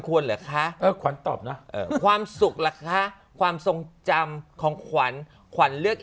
เหรอคะขวัญตอบเนอะความสุขล่ะคะความทรงจำของขวัญขวัญเลือก